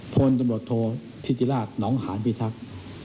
พลโดรทโทธิศจิราชนองหานพิทักษ์